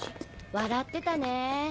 笑ってたねぇ。